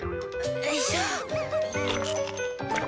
よいしょ！